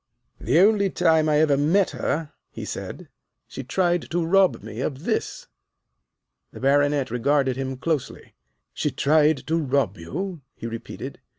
"The only time I ever met her," he said, "she tried to rob me of this." The Baronet regarded him closely. "She tried to rob you?" he repeated.